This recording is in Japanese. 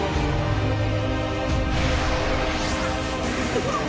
うわっ！